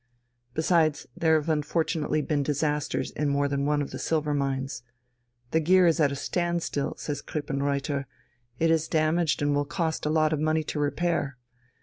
Besides, there have unfortunately been disasters in more than one of the silver mines. The gear is at a standstill, says Krippenreuther, it is damaged and will cost a lot of money to repair.